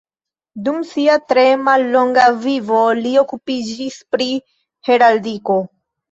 Dum sia tre mallonga vivo li okupiĝis pri heraldiko.